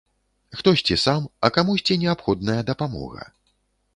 Хтосьці сам, а камусьці неабходная дапамога.